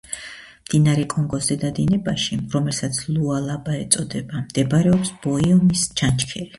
მდინარე კონგოს ზედა დინებაში, რომელსაც ლუალაბა ეწოდება, მდებარეობს ბოიომის ჩანჩქერი.